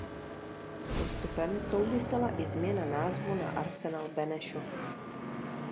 S postupem souvisela i změna názvu na Arsenal Benešov.